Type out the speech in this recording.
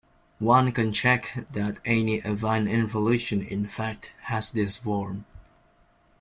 One can check that any affine involution in fact has this form.